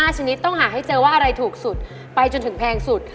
ชนิดต้องหาให้เจอว่าอะไรถูกสุดไปจนถึงแพงสุด